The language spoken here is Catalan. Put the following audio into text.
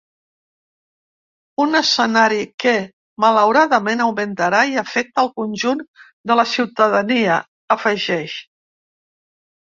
Un escenari que malauradament augmentarà i afecta el conjunt de la ciutadania, afegeix.